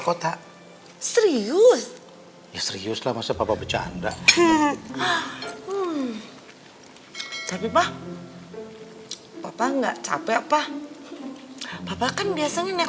kota serius serius lah masa bercanda tapi pak bapak enggak capek pak bapak kan biasanya nek